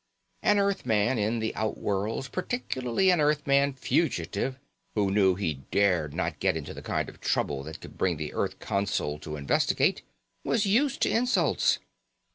An Earthman in the outworlds, particularly an Earthman fugitive who knew he dared not get into the kind of trouble that could bring the Earth consul to investigate, was used to insults.